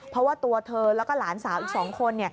เพราะว่าตัวเธอแล้วก็หลานสาวอีก๒คน